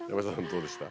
どうでした？